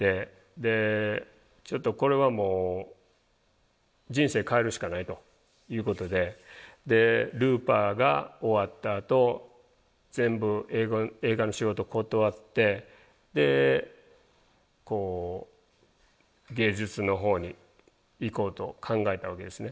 でちょっとこれはもう人生変えるしかないということで「Ｌｏｏｐｅｒ」が終わったあと全部映画の仕事断ってでこう芸術のほうに行こうと考えたわけですね。